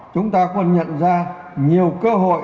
chúng ta cũng nhận ra nhiều cơ hội